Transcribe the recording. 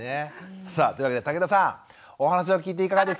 さあというわけで竹田さんお話を聞いていかがですか？